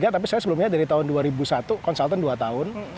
saya dua ribu tiga tapi saya sebelumnya dari tahun dua ribu satu konsultan dua tahun